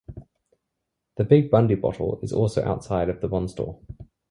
The Big Bundy Bottle is also outside of the bondstore.